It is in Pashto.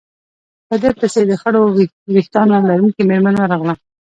په ده پسې د خړو ورېښتانو لرونکې مېرمن ورغله.